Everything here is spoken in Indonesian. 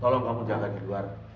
tolong kamu jangan di luar